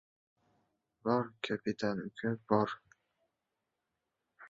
— Bor, kapitan uka, bor.